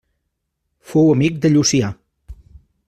Fou amic de Llucià.